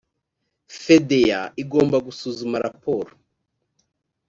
fda igomba gusuzuma raporo